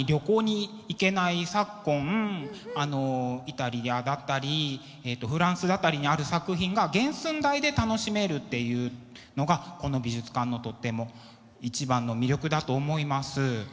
イタリアだったりフランスだったりにある作品が原寸大で楽しめるっていうのがこの美術館のとっても一番の魅力だと思います。